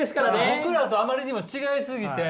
僕らとあまりにも違い過ぎて。